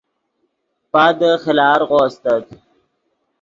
پادے خیلارغو استت